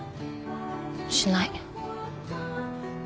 しない。